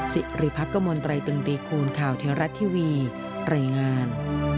สิริภักษ์กระมวลตรายตึงตีคูณข่าวเทียงรัฐทีวีไตรงาน